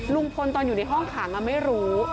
ลุงพลตอนอยู่ในห้องขังไม่รู้